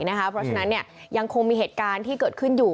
เพราะฉะนั้นยังคงมีเหตุการณ์ที่เกิดขึ้นอยู่